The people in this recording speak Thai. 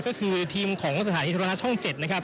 ก็คือทีมของสถานีธุรณะช่อง๗นะครับ